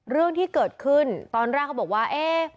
เรื่องที่เกิดขึ้นตอนแรกเขาบอกว่าเอ๊ะ